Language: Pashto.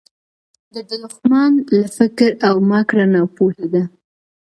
د دښمن له فکر او مِکره ناپوهي ده